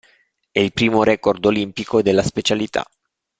È il primo record olimpico della specialità.